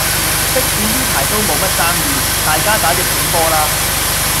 的士呢排都無乜生意，大家打逆境波啦